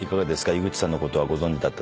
井口さんのことはご存じだった？